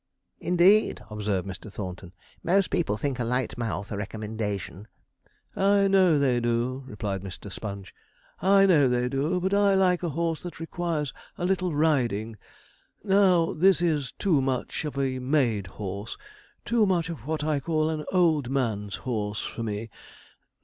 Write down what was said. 'Indeed!' observed Mr. Thornton; 'most people think a light mouth a recommendation.' 'I know they do,' replied Mr. Sponge, 'I know they do; but I like a horse that requires a little riding. Now this is too much of a made horse too much of what I call an old man's horse, for me.